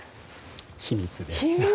秘密です。